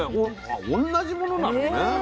同じものなのね。